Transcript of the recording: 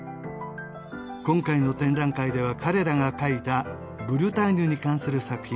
今回の展覧会では彼らが描いたブルターニュに関する作品